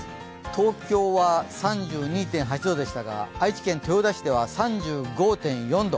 東京は３２．８度でしたが、愛知県豊田市では３５．４度。